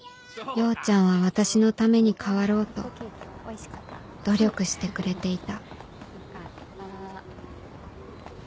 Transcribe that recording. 陽ちゃんは私のために変わろうと努力してくれていた